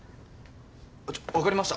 ちょっわかりました